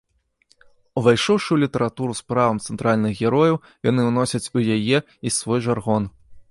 Увайшоўшы ў літаратуру з правам цэнтральных герояў, яны ўносяць у яе і свой жаргон.